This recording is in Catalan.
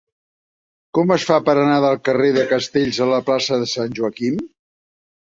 Com es fa per anar del carrer de Castells a la plaça de Sant Joaquim?